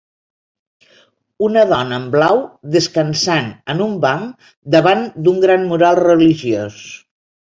Una dona en blau descansant en un banc davant d'un gran mural religiós